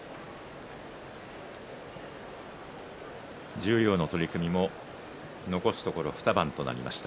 十両の取組も残すところ２番となりました。